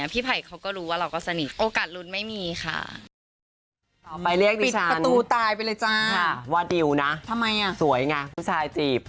พี่ไผ่เขาก็รู้ว่าเราก็สนิทโอกาสลุ้นไม่มีค่ะ